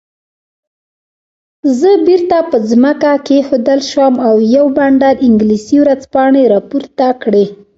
زه بیرته په ځمکه کېښودل شوم او یو بنډل انګلیسي ورځپاڼې راپورته کړې.